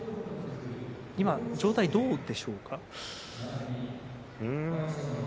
今、状態はどうでしょうか。